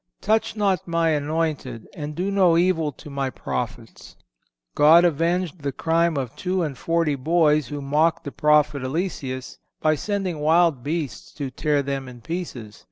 "Touch not My anointed, and do no evil to My prophets."(496) God avenged the crime of two and forty boys who mocked the prophet Eliseus by sending wild beasts to tear them in pieces.